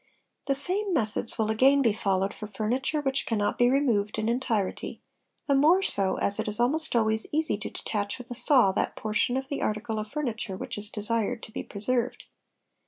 The same methods will again be followed for furniture which cannot be removed in entirety, the more so as it is almost always easy to detach with a saw that portion of the article of furniture which is | desired to be preserved.